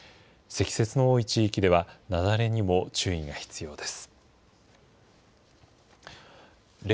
積雪の多い地域では雪崩にも注意が必要です。